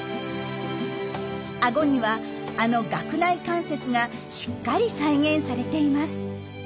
あごにはあの顎内関節がしっかり再現されています。